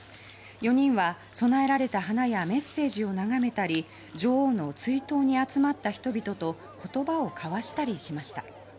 ４人は供えられた花やメッセージを眺めたり女王の追悼に集まった人々と言葉を交わしたりしました。